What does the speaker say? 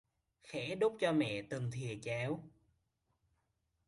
Khẽ đút cho mẹ từng thìa cháo